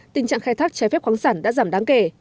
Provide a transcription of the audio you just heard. tình trạng khai thác trái phép khoáng sản đã giảm đáng kể